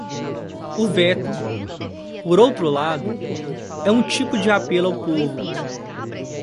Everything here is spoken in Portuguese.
O veto, por outro lado, é um tipo de apelo ao povo.